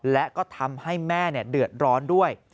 และก็ทำให้แม่เดือดร้อนด้วย